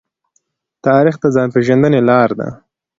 تاریخ د ځان پېژندنې لاره ده.